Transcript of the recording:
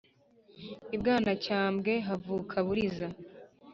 I Bwanacyambwe havuka Buriza .